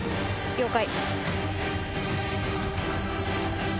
了解。